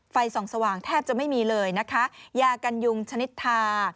ไฟส่องสว่างแทบจะไม่มีเลยนะคะยากันยุงชนิดทา